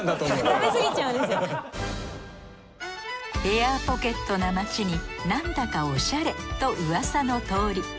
エアポケットな街になんだかおしゃれとうわさの通り。